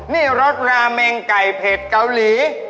นี่รสราเมงไก่เผ็ดเกาหลี